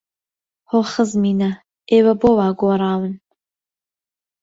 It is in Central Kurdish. هۆ خزمینە، ئێوە بۆ وا گۆڕاون!